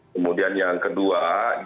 kemudian yang kedua